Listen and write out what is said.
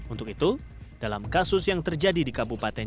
untuk itu dalam kasus yang terjadi di kabupaten